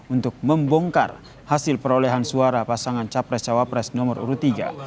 untuk membongkar hasil perolehan suara pasangan capres cawapres nomor urut tiga